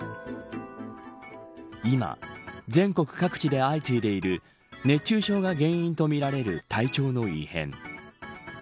今、全国各地で相次いでいる熱中症が原因とみられる体調の異変。